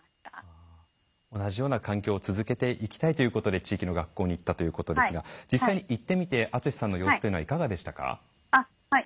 同じような環境を続けていきたいということで地域の学校に行ったということですが実際に行ってみて篤さんの様子はいかがでしたか？